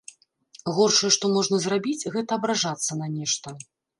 Горшае, што можна зрабіць, гэта абражацца на нешта.